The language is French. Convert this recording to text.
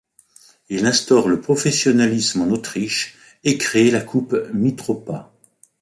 Il instaure le professionnalisme en Autriche et crée la Coupe Mitropa.